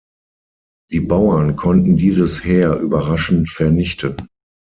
Die Bauern konnten dieses Heer überraschend vernichten.